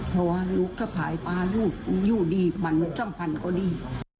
เพราะว่าลุกถ้าผายปลารูกยู่ดีมันจำพันตร์ก็ดี